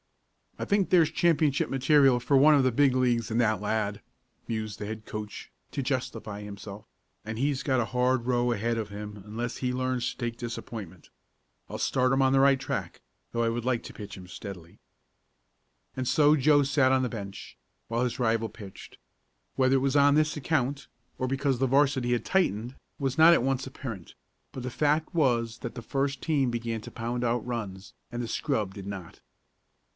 "I think there's championship material for one of the big leagues in that lad," mused the head coach, to justify himself, "and he's got a hard row ahead of him unless he learns to take disappointment. I'll start him on the right track, though I would like to pitch him steadily." And so Joe sat on the bench, while his rival pitched. Whether it was on this account, or because the 'varsity had tightened, was not at once apparent, but the fact was that the first team began to pound out runs, and the scrub did not.